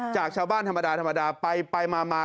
จากชาวบ้านธรรมดาธรรมดาไปมา